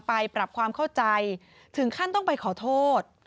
ไปปรับความเข้าใจถึงขั้นต้องไปขอโทษ